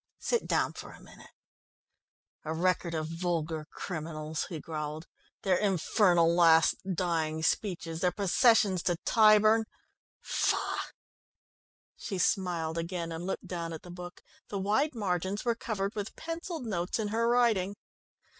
Sit down for a minute." "A record of vulgar criminals," he growled. "Their infernal last dying speeches, their processions to Tyburn phaugh!" She smiled again, and looked down at the book. The wide margins were covered with pencilled notes in her writing.